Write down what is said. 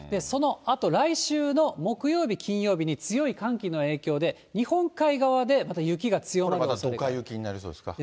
そのあと、来週の木曜日、金曜日に、強い寒気の影響で、日本海側でまた雪が強まるおそれがあります。